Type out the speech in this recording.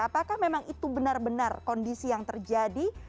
apakah memang itu benar benar kondisi yang terjadi